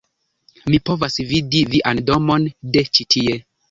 mi povas vidi vian domon de ĉi-tie!